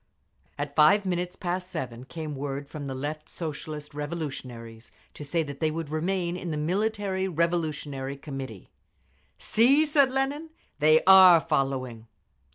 At five minutes past seven came word from the left Socialist Revolutionaries to say that they would remain in the Military Revolutionary Committee. "See!" said Lenin. "They are following!"